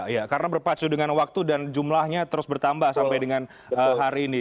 ya karena berpacu dengan waktu dan jumlahnya terus bertambah sampai dengan hari ini